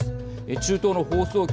中東の放送局